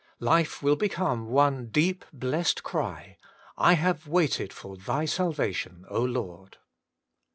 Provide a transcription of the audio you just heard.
Life will become one deep blessed cry: 'I have waited for Thy salvation, Lord.'